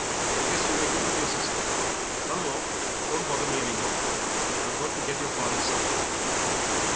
"Yes, you may go with your sister. Run along; don't bother me any more, I've got to get your father's supper."